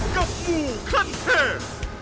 กับมูขั้นแทน